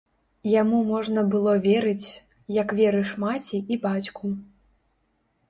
Яму можна было верыць, як верыш маці і бацьку.